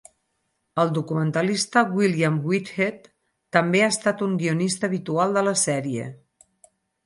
El documentalista William Whitehead també ha estat un guionista habitual de la sèrie.